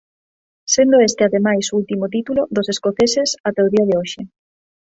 Sendo este ademais o último título dos escoceses até o día de hoxe.